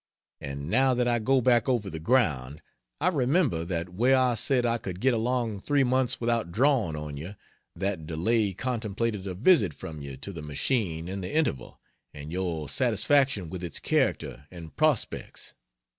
And now that I go back over the ground, I remember that where I said I could get along 3 months without drawing on you, that delay contemplated a visit from you to the machine in the interval, and your satisfaction with its character and prospects.